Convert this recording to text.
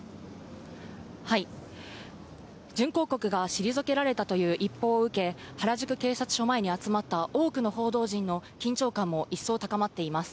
準抗告が退けられたという一報を受け、原宿警察署前に集まった多くの報道陣の緊張感も一層高まっています。